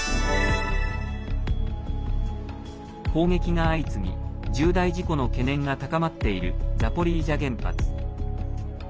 砲撃が相次ぎ重大事故の懸念が高まっているザポリージャ原発。